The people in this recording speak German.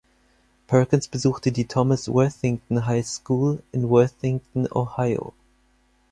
Perkins besuchte die Thomas Worthington High School in Worthington, Ohio.